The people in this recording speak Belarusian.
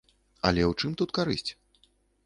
Але ў чым тут карысць?